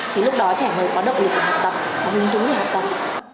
thì lúc đó trẻ mới có động lực để học tập có hứng thú để học tập